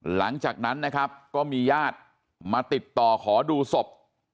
หลังจากนั้นนะครับก็มีญาติมาติดต่อขอดูศพ